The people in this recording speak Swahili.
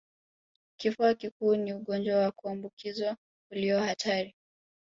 Kifua kikuu ni ugonjwa wa kuambukizwa ulio hatari